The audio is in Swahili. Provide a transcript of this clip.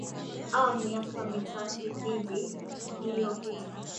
aah miaka mitatu hivi iliopita